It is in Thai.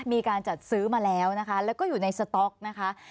มีการจัดซื้อมาแล้วนะคะแล้วก็อยู่ในสต๊อกนะคะ